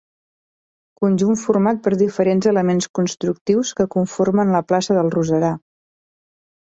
Conjunt format per diferents elements constructius que conformen la plaça del Roserar.